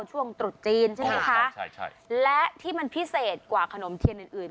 ช่วงตรุษจีนใช่ไหมคะใช่ใช่และที่มันพิเศษกว่าขนมเทียนอื่นอื่น